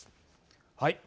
はい。